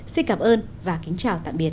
xin cảm ơn và kính chào tạm biệt